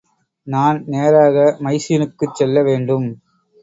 நான் நேராக மைசீனுக்குச் செல்ல வேண்டும்!